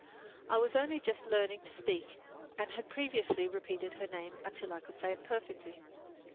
I was only just learning to speak, and had previously repeated her name until I could say it perfectly.